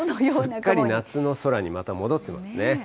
すっかり夏の空にまた戻ってますね。